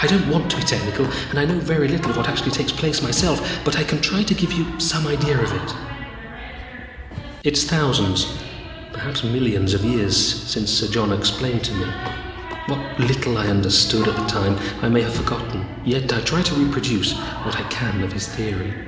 "I don't want to be technical, and I know very little of what actually takes place myself. But I can try to give you some idea of it." It is thousands, perhaps millions of years since Sir John explained to me. What little I understood at the time I may have forgotten, yet I try to reproduce what I can of his theory.